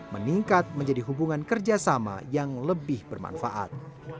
meningkat menjadi hubungan kerjasama yang lebih bermanfaat